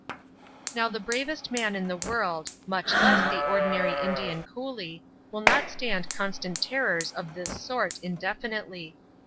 Now the bravest men in the world, much less the ordinary Indian coolie, will not stand constant terrors of this sort indefinitely.